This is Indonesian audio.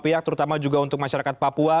pihak terutama juga untuk masyarakat papua